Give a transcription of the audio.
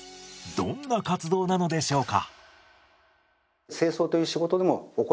どんな活動なのでしょうか？